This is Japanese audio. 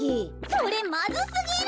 それまずすぎる！